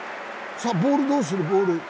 ボールどうする、ボール。